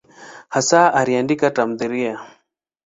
Hasa ameandika tamthiliya.